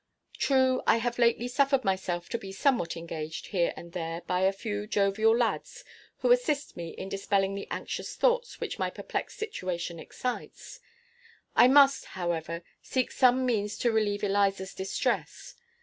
True, I have lately suffered myself to be somewhat engaged here and there by a few jovial lads who assist me in dispelling the anxious thoughts which my perplexed situation excites. I must, however, seek some means to relieve Eliza's distress.